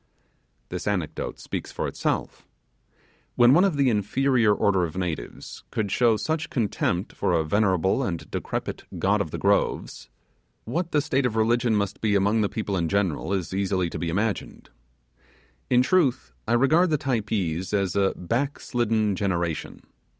This anecdote speaks for itself. When one of the inferior order of natives could show such contempt for a venerable and decrepit God of the Groves, what the state of religion must be among the people in general is easy to be imagined. In truth, I regard the Typees as a back slidden generation.